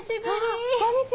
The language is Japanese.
あっこんにちは！